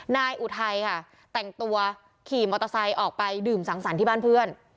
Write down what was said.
อุทัยค่ะแต่งตัวขี่มอเตอร์ไซค์ออกไปดื่มสังสรรค์ที่บ้านเพื่อน